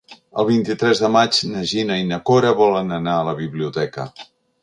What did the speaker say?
El vint-i-tres de maig na Gina i na Cora volen anar a la biblioteca.